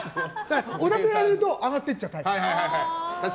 おだてられると上がっていっちゃうタイプ。